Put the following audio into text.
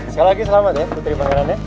sekali lagi selamat ya putri makanannya